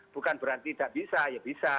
bukan berarti tidak bisa ya bisa